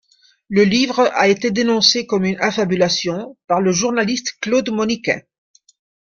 Le livre a été dénoncé comme une affabulation par le journaliste Claude Moniquet.